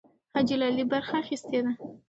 حاجي لالي برخه اخیستې ده.